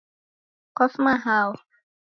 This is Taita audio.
Kwafuma hao?